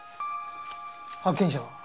発見者は？